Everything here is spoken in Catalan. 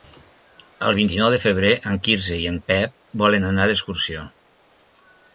El vint-i-nou de febrer en Quirze i en Pep volen anar d'excursió.